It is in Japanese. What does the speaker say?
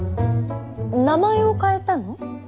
名前を変えたの？